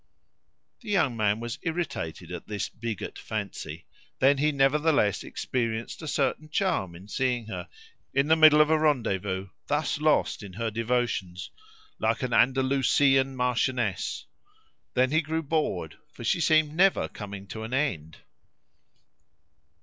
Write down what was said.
The young man was irritated at this bigot fancy; then he nevertheless experienced a certain charm in seeing her, in the middle of a rendezvous, thus lost in her devotions, like an Andalusian marchioness; then he grew bored, for she seemed never coming to an end.